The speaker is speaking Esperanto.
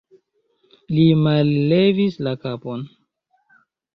Li mallevis la kapon.